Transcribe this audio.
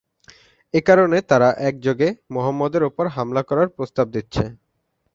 একারণে তারা একযোগে মোহাম্মদের ওপর হামলা করার প্রস্তাব দিচ্ছে।